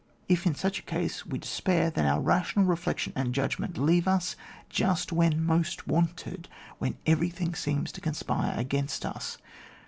If, in such a case, we despair, then our rational re flection and judgment leave us just when most wanted, when everything seems to conspire against us.